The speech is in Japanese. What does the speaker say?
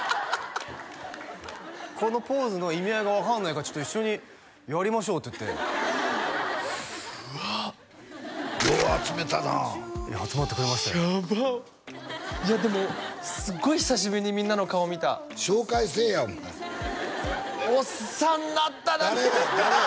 このポーズの意味合いが分からないからちょっと一緒にやりましょうっていってうわよう集めたなあ集まってくれましたよやばっいやでもすごい久しぶりにみんなの顔見た紹介せえやお前おっさんになったなみんな誰や？